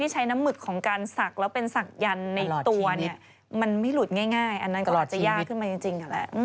จริงอันนั้นอาจจะยากอย่างน้อยขึ้นไปจริง